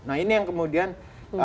nah ini yang kemudian agar apa ya